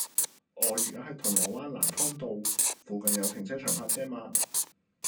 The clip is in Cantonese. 我依家喺銅鑼灣蘭芳道，附近有停車場泊車嗎